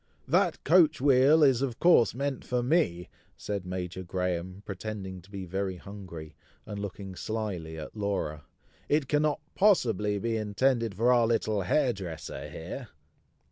"That coach wheel is, of course, meant for me!" said Major Graham, pretending to be very hungry, and looking slyly at Laura; "It cannot possibly be intended for our little hair dresser here!"